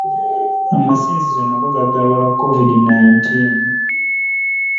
Amasinziizo nago gaggalwa lwa covid nineteen.